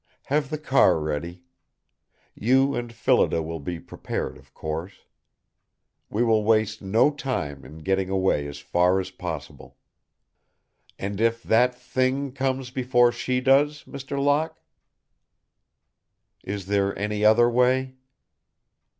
Have the car ready. You and Phillida will be prepared, of course. We will waste no time in getting away as far as possible." "And if that Thing comes before she does, Mr. Locke?" "Is there any other way?"